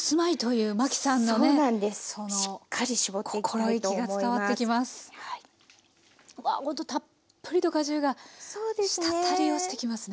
うわたっぷりと果汁が滴り落ちてきますね。